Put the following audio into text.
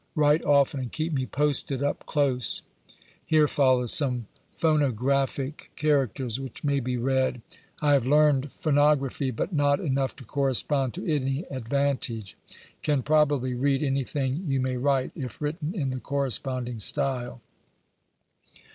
Writo often, and keep me posted up close. [Here follow some phonographic MOKE CORRESPONDENCE. 21 characters, which may be read :" I have learned phonography, but not enough to correspond to any advantage. Can probably read any thing you may write, if written in the corresponding style."